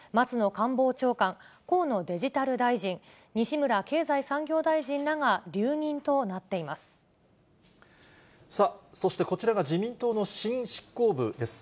官房長官、河野デジタル大臣、西村経済産業大臣らが留任となっさあ、そしてこちらが自民党の新執行部です。